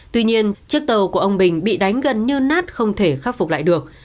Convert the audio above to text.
tuy nhiên chiếc tàu của ông bình bị đánh gần như nát không thể khắc phục lại được